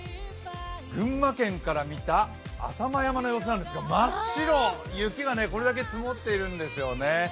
群馬県から見た浅間山の様子なんですが真っ白、雪がこれだけ積もっているんですよね。